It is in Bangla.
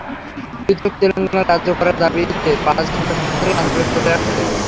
পৃথক তেলেঙ্গানা রাজ্য করার দাবিতে পাঁচ দশক ধরে আন্দোলন চলে আসছে।